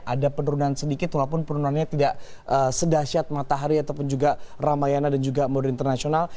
ada penurunan sedikit walaupun penurunannya tidak sedahsyat matahari ataupun juga ramayana dan juga modern internasional